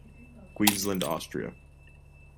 Queensland, Australia.